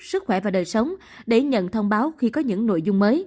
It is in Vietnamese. sức khỏe và đời sống để nhận thông tin nhất